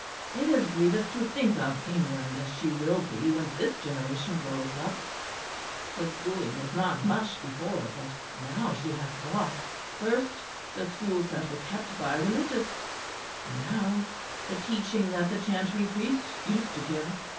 It is grievous to think of England as she will be when this generation grows up: the schooling was not much before; but now she has lost first the schools that were kept by Religious, and now the teaching that the chantry priests used to give.